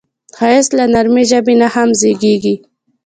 ښایست له نرمې ژبې نه هم زېږي